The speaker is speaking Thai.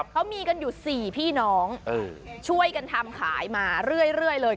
เขามีกันอยู่๔พี่น้องช่วยกันทำขายมาเรื่อยเลย